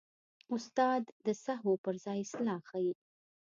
استاد د سهوو پر ځای اصلاح ښيي.